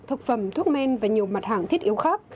thực phẩm thuốc men và nhiều mặt hàng thiết yếu khác